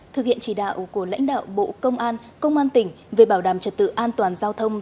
thực hiện chỉ đạo của lãnh đạo bộ công an công an tỉnh về bảo đảm trật tự an toàn giao thông